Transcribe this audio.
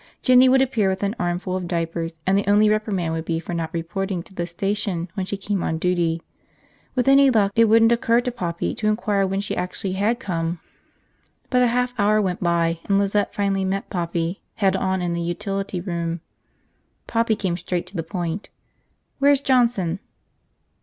Jinny could appear with an armful of diapers and the only reprimand would be for not reporting to the station when she came on duty. With any luck, it wouldn't occur to Poppy to inquire when she actually had come. But a half hour went by and Lizette finally met Poppy head on in the utility room. Poppy came straight to the point. "Where's Johnson?"